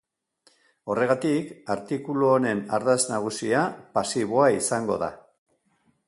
Horregatik, artikulu honen ardatz nagusia Pasiboa izango da.